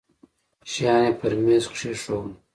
شيان يې پر ميز کښېښوول.